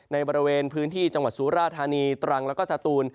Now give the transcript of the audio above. ในบริเวณพื้นที่จังหวัดสุราธานีตรังแล้วก็สตูน